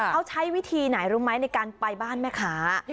เขาใช้วิธีไหนรู้ไหมในการไปบ้านแม่ค้า